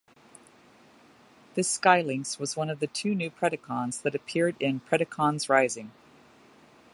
This Skylynx was one of the two new Predacons that appeared in "Predacons Rising".